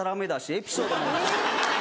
エピソードも。